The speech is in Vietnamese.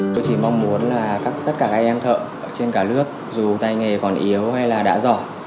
tôi chỉ mong muốn là tất cả các em thợ trên cả nước dù tay nghề còn yếu hay là đã giỏi